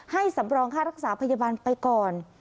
สำรองค่ารักษาพยาบาลไปก่อน